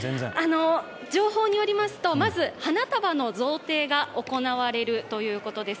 情報によりますと、まず花束の贈呈が行われるということです。